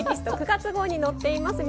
９月号に載っています。